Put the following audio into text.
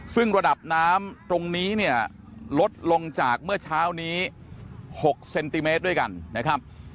ซึ่งระดับน้ำตรงนี้เนี่ยลดลงจากเมื่อเช้านี้๖เซนติเมตรด้วยกันนะครับ